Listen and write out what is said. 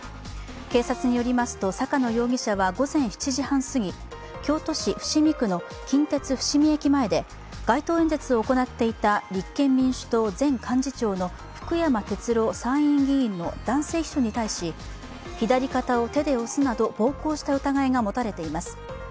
警察によりますと、坂野容疑者は午前７時半過ぎ、京都市伏見区の近鉄伏見駅前で街頭演説を行っていた立憲民主党前幹事長の福山哲郎参院議員の男性秘書に対し、左肩を手で押すなど暴行した疑いが持たれています。